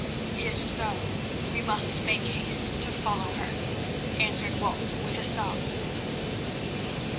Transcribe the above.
"If so, we must make haste to follow her," answered Wulf with a sob.